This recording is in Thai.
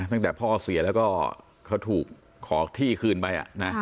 ตั้งแต่พ่อเสียแล้วก็เขาถูกขอที่คืนไป